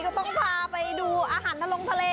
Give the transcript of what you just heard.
ก็ต้องพาไปดูอาหารทะลงทะเล